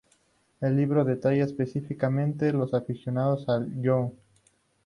El libro detalla específicamente las aficiones de Young.